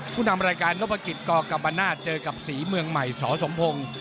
ผู้ทำรายการโลกภาคิตกกับบานาศเจอกับศรีเมืองใหม่สสมพงศ์